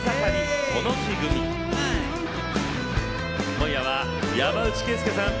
今夜は山内惠介さん